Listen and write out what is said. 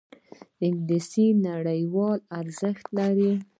انګلیسي نړیوال ارزښت لري